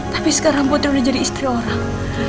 tapi sekarang putri udah jadi istri orang